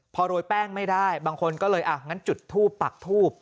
พอโรยแป้งไม่ได้บางคนก็เลยอ่ะงั้นจุดทูปปักทูบ